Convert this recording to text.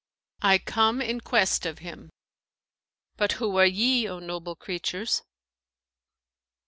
I come in quest of him. But who are ye, O noble creatures?'